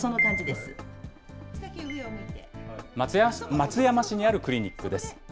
松山市にあるクリニックです。